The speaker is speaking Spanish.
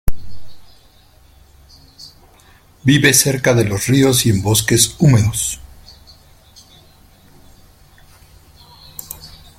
Vive cerca de los ríos y en bosques húmedos.